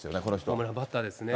ホームランバッターですね。